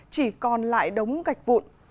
chỉ còn lại đống gạch vụn